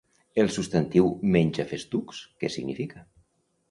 El substantiu menjafestucs què significa?